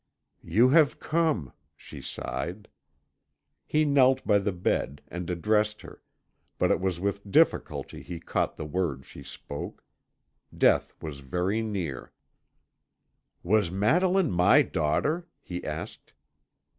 "You have come," she sighed. He knelt by the bed, and addressed her, but it was with difficulty he caught the words she spoke. Death was very near. "Was Madeline my daughter?" he asked.